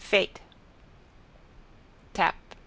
Fate. Tap.